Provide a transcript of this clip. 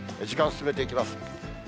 時間進めていきます。